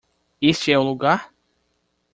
Este é o lugar?